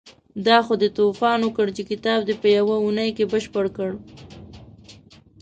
دا خو دې توپان وکړ چې کتاب دې په يوه اونۍ کې بشپړ کړ.